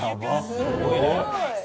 すごいね。